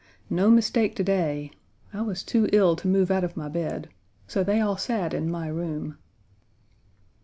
No mistake to day. I was too ill to move out of my bed. So they all sat in my room.